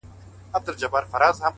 خاموش سکوت ذهن ژوروي